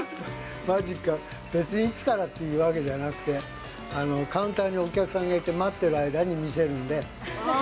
マジックは、別にいつからっていうわけじゃなくって、カウンターにお客さんがいて、待ってる間に見せるんで。